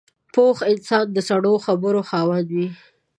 پوخ انسان د سړو خبرو خاوند وي